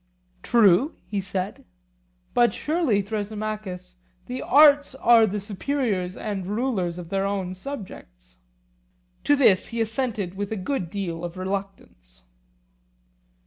True, he said. But surely, Thrasymachus, the arts are the superiors and rulers of their own subjects? To this he assented with a good deal of reluctance.